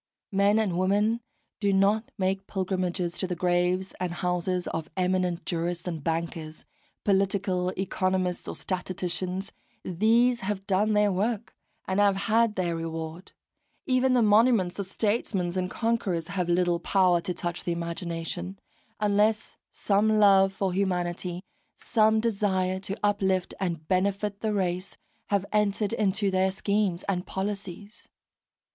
Men and women do not make pilgrimages to the graves and houses of eminent jurists and bankers, political economists or statisticians: these have done their work, and have had their reward. Even the monuments of statesmen and conquerors have little power to touch the imagination, unless some love for humanity, some desire to uplift and benefit the race, have entered into their schemes and policies.